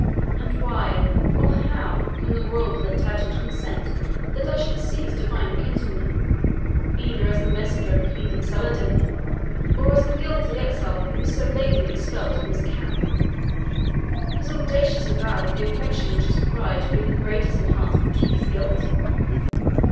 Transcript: And why, or how, can the royal Plantagenet consent that I should see his divine kinswoman, either as the messenger of the heathen Saladin, or as the guilty exile whom he so lately expelled from his camp his audacious avowal of the affection which is his pride being the greatest enhancement of his guilt?